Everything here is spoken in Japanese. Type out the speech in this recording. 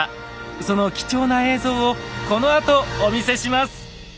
その貴重な映像をこのあとお見せします！